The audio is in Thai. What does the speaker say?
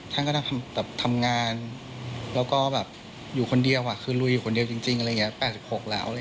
ท่านก็ทำงานแล้วก็แบบอยู่คนเดียวคือลุยอยู่คนเดียวจริงอะไรอย่างนี้๘๖แล้ว